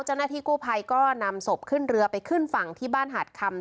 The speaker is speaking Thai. เจ้าหน้าที่กู้ภัยก็นำศพขึ้นเรือไปขึ้นฝั่งที่บ้านหาดคำ